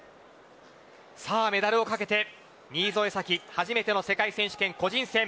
メダルを懸けて新添左季初めての世界選手権個人戦。